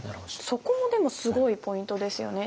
そこもでもすごいポイントですよね。